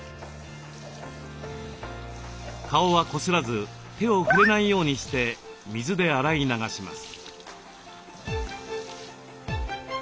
顔はこすらず手を触れないようにして水で洗い流します。